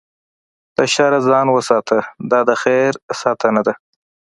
له شره ځان وساته، دا د خیر ساتنه ده.